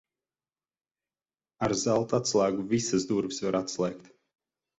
Ar zelta atslēgu visas durvis var atslēgt.